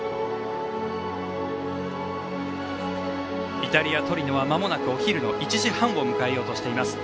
イタリア・トリノはまもなくお昼の１時半を迎えようとしています。